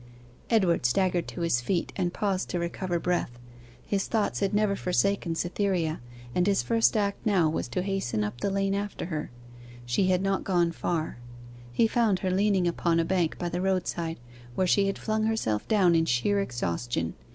Edward staggered to his feet, and paused to recover breath. His thoughts had never forsaken Cytherea, and his first act now was to hasten up the lane after her. She had not gone far. He found her leaning upon a bank by the roadside, where she had flung herself down in sheer exhaustion.